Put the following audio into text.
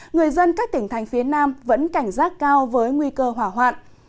người dân các tỉnh thành phía nam vẫn cảnh giác cao với nguy cơ hỏa hoạn